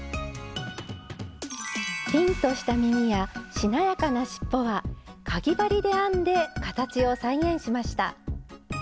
ピンとした耳やしなやかなしっぽはかぎ針で編んで形を再現しました。